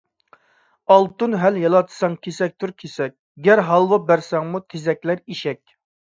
ئالتۇن ھەل يالاتساڭ كېسەكتۇر كېسەك، گەر ھالۋا بەرسەڭمۇ تېزەكلەر ئېشەك.